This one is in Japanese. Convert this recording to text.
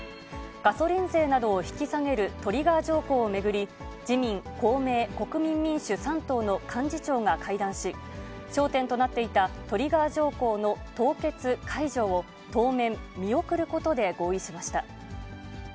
ガソリン税などを引き下げるトリガー条項を巡り、自民、公明、国民民主３党の幹事長が会談し、焦点となっていたトリガー条項の凍結解除を当面、見送ることで合意しました。